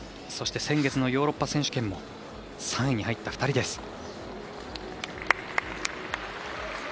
そして先月のヨーロッパ選手権も３位に入った２人です。